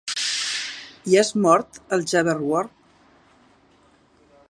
I has mort el Jabberwock?